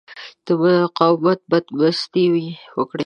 د مقاومت بدمستي وکړي.